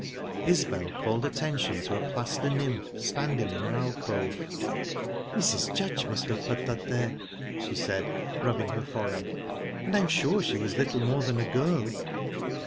Isbel called attention to a plaster nymph, standing in an alcove. "Mrs. Judge must have put that there," she said, rubbing her forehead; "and I am sure she was little more than a girl."